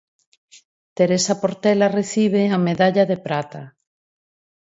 Teresa Portela recibe a medalla de prata.